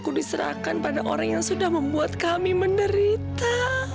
aku diserahkan pada orang yang sudah membuat kami menderita